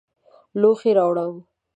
لوښي راوړئ